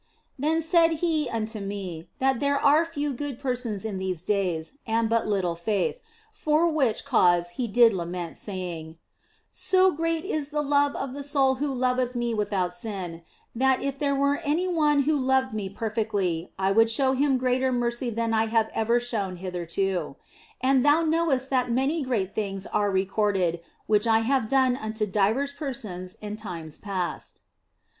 Then said He unto me that there are few good persons in these days and but little faith, for which cause He did lament, saying, " So great is the love of the soul who loveth Me without sin, that, if there were any one who loved Me perfectly, I would show him greater mercy than I have ever shown hitherto, and Thou knowest that many great things are recorded which I have done unto divers persons in times past."